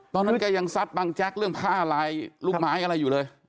ตอนนั้นแกยังซัดบังแจ๊กเรื่องผ้าลายลูกไม้อะไรอยู่เลย